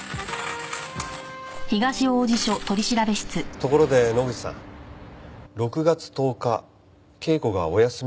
ところで野口さん６月１０日稽古がお休みの日ですが。